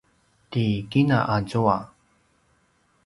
ti kina azua